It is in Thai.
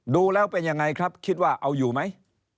ดูแล้วเป็นยังไงครับคิดว่าเอาอยู่ไหม